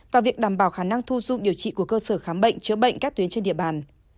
và việc đảm bảo khả năng thu dung điều trị của cơ sở khám bệnh chữa bệnh các tuyến trên địa bàn